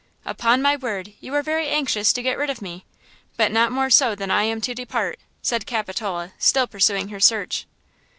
"Upon my word, you are very anxious to get rid of me, but not more so than I am to depart," said Capitola, still pursuing her search.